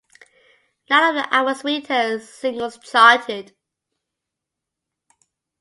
Neither of the album's retail singles charted.